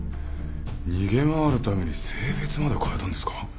逃げ回るために性別まで変えたんですか？